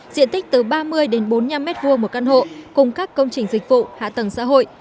diện tích từ ba mươi đến bốn mươi năm m hai một căn hộ cùng các công trình dịch vụ hạ tầng xã hội